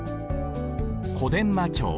「小伝馬町」。